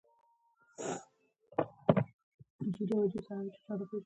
زما سره یې مخالفت او جهاد پیل کاوه.